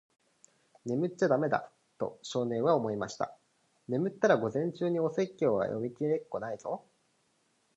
「眠っちゃだめだ。」と、少年は思いました。「眠ったら、午前中にお説教は読みきれっこないぞ。」